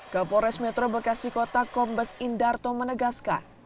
kapolres metro bekasi kota kombes indarto menegaskan